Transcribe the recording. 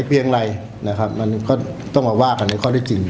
เพียงไรนะครับมันก็ต้องมาว่ากันในข้อได้จริง